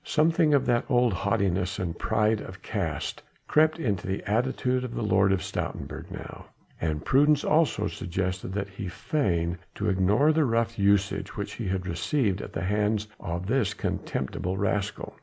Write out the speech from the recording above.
Something of that old haughtiness and pride of caste crept into the attitude of the Lord of Stoutenburg now, and prudence also suggested that he should feign to ignore the rough usage which he had received at the hands of this contemptible rascal.